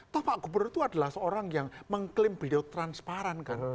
toh pak gubernur itu adalah seorang yang mengklaim beliau transparan kan